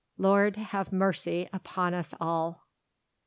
Lord have mercy upon us all!"